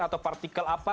atau partikel apa